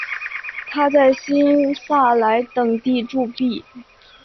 他在新萨莱等地铸币。